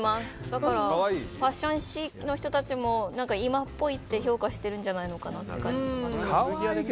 だからファッション誌の人たちも今っぽいって評価してるんじゃないかなって感じがします。